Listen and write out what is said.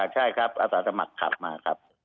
ใช่ครับอาสาสมัครขับมาครับ